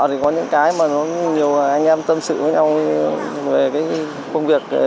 thì có những cái mà nó nhiều anh em tâm sự với nhau về cái công việc